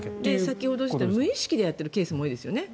先ほどありましたけど無意識でやっているケースもありますよね。